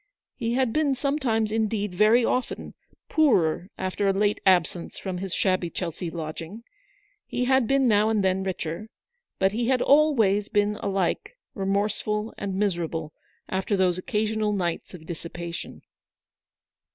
He had been some times, indeed, very often, poorer after a late absence from his shabby Chelsea lodging ; he had been now and then richer; but he had always been alike remorseful and miserable after those occasional nights of dissipation.